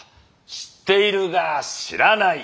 知っているが知らない。